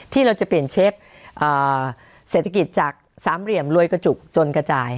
ที่เราจะเปลี่ยนเชฟเศรษฐกิจจากสามเหลี่ยมรวยกระจุกจนกระจาย